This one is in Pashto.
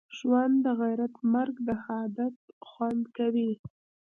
ژوند دغیرت مرګ دښهادت خوند کوی